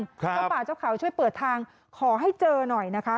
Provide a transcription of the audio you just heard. เจ้าป่าเจ้าเขาช่วยเปิดทางขอให้เจอหน่อยนะคะ